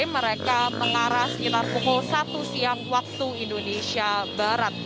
mereka mengarah sekitar pukul satu siang waktu indonesia barat